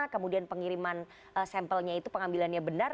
kemudian pengiriman sampelnya itu pengambilannya benar